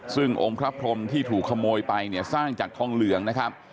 ซึ่งองค์พระพรมที่ถูกขโมยไปเนี่ยสร้างจากทองเหลืองนะครับ